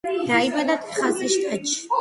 დაიბადა ტეხასის შტატში.